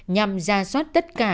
nhằm ra soát tất cả